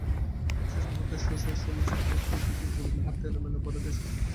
কিন্তু শেষ মুহূর্তে সুনীল ছেত্রীর ফ্রি-কিকের গোল মুহূর্তে এলোমেলো করে দেয় সবকিছু।